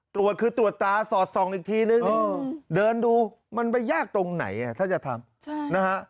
ตรวจคือตรวจตาสอดส่องอีกทีนึงเดินดูมันไปยากตรงไหนถ้าจะทำนะฮะ